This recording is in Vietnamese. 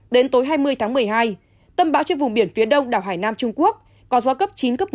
đến tối hai mươi một mươi hai tầm bão trên vùng biển phía đông đảo hải nam trung quốc có gió cấp chín một mươi